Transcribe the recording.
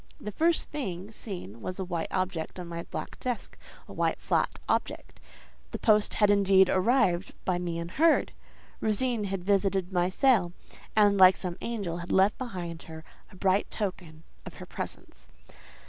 The first thing seen was a white object on my black desk, a white, flat object. The post had, indeed, arrived; by me unheard. Rosine had visited my cell, and, like some angel, had left behind her a bright token of her presence.